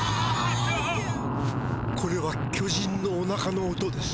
これは巨人のおなかの音です。